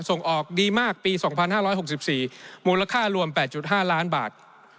ส่งออกดีมากปี๒๕๖๔มูลค่ารวม๘๕ล้านบาท